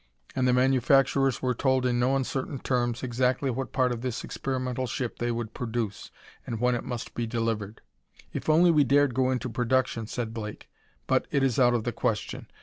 And the manufacturers were told in no uncertain terms exactly what part of this experimental ship they would produce, and when it must be delivered. "If only we dared go into production," said Blake; "but it is out of the question.